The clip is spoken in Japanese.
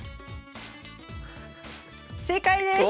正解です。